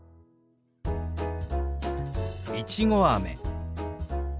「いちごあめ」。